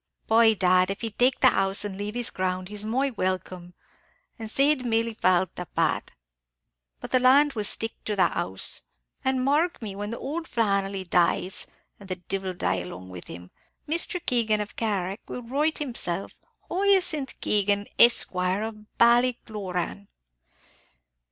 "By dad, if he'd take the house, and leave the ground, he's my welcome, and ceade mille faltha, Pat. But the land will stick to the house; and mark me, when ould Flannelly dies (an' the divil die along with him), Mr. Keegan of Carrick will write himself, Hyacinth Keegan, Esquire, of Ballycloran."